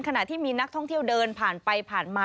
ขณะที่มีนักท่องเที่ยวเดินผ่านไปผ่านมา